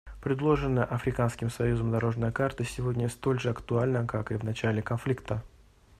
Предложенная Африканским союзом «дорожная карта» сегодня столь же актуальна, как и в начале конфликта.